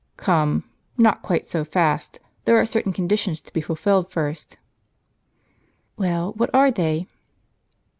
"Come, not quite so fast; there are certain conditions to be fulfilled first." " Well, what are they